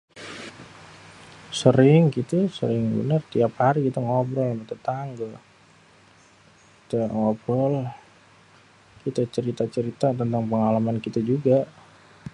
Séring kité, séring bener tiap hari ngobrol ama tétanggé. Kité ngobrol, kité cerita-cerita téntang pengalaman kité juga.